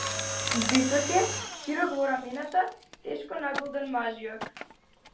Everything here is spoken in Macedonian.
Висок е, широк во рамената, тешко набилдан мажјак.